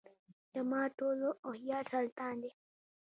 دماغ ټولو هوښیار سلطان دی.